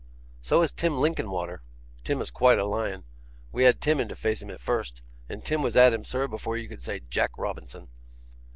So is Tim Linkinwater; Tim is quite a lion. We had Tim in to face him at first, and Tim was at him, sir, before you could say "Jack Robinson."